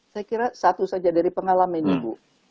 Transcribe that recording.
saya kira satu saja dari pengalaman ibu